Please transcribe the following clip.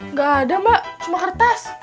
nggak ada mbak cuma kertas